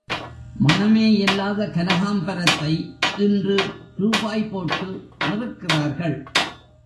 மணமேயில்லாத கனகாம்பரத்தை இன்று ரூபாய் போட்டு நிறுக்கிறார்கள்!